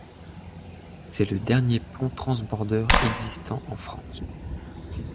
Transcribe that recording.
C'est le dernier pont transbordeur existant en France.